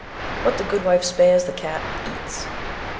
_What the good wife spares the cat eats.